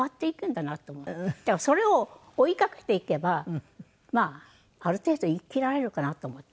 だからそれを追い掛けていけばまあある程度生きられるかなと思って。